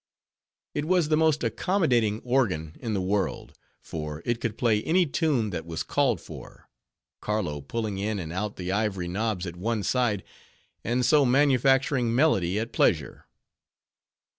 It was the most accommodating organ in the world; for it could play any tune that was called for; Carlo pulling in and out the ivory knobs at one side, and so manufacturing melody at pleasure.